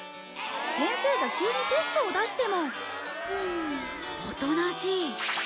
先生が急にテストを出してもおとなしい。